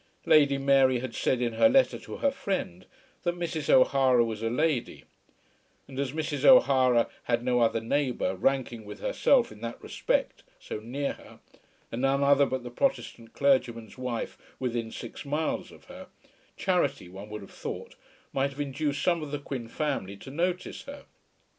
Lady Mary had said in her letter to her friend that Mrs. O'Hara was a lady; and as Mrs. O'Hara had no other neighbour, ranking with herself in that respect, so near her, and none other but the Protestant clergyman's wife within six miles of her, charity, one would have thought, might have induced some of the Quin family to notice her.